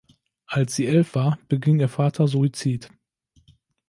Als sie elf war, beging ihr Vater Suizid.